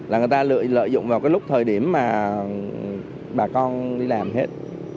là người ta lợi dụng vào cái lúc thời điểm mà bà con đi làm hết